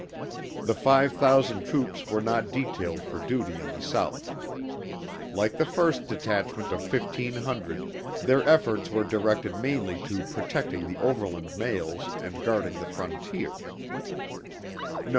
The five thousand troops were not detailed for duty in the South. Like the first detachment of fifteen hundred, their efforts were directed mainly to protecting the overland mails and guarding the frontier.